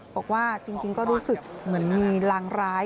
บอกว่าจริงก็รู้สึกเหมือนมีรางร้าย